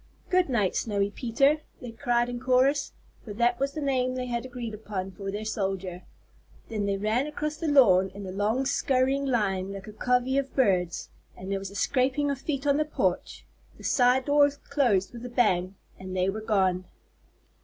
"Good night, Snowy Peter!" they cried in chorus, for that was the name they had agreed upon for their soldier. Then they ran across the lawn in a long skurrying line like a covey of birds, there was a scraping of feet on the porch, the side door closed with a bang, and they were gone.